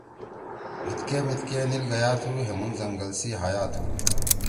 اِیتکےمِیتکے نیل گیا تُھو۔ ہے مُھون زنگل سی حیا تُھو۔